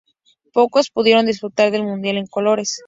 Pocos pudieron disfrutar del mundial en colores.